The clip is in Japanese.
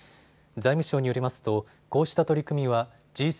財務省によりますとこうした取り組みはＧ７・